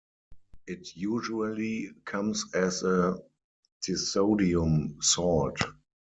It usually comes as a disodium salt.